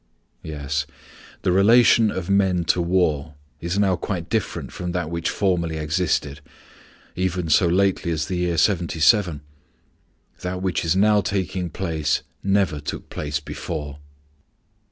Yes, the relation of men to war is now quite different from that which formerly existed, even so lately as the year '77. That which is now taking place never took place before.